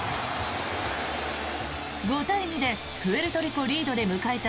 ５対２でプエルトリコリードで迎えた